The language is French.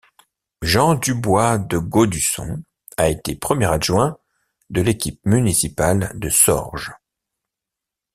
Jean du Bois de Gaudusson a été premier adjoint de l'équipe municipale de Sorges.